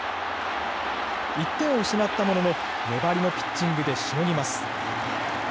１点を失ったものの粘りのピッチングでしのぎます。